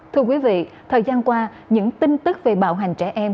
thưa quý vị thời gian qua những tin tức về bạo hành trẻ em